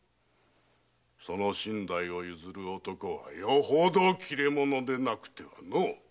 その身代を譲る男はよほど切れ者でなくてはのう。